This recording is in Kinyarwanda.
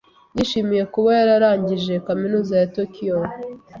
Yishimiye kuba yararangije kaminuza ya Tokiyo.